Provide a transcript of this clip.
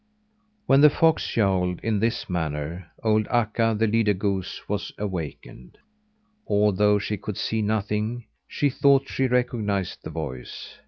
When the fox yowled in this manner, old Akka, the leader goose, was awakened. Although she could see nothing, she thought she recognised the voice.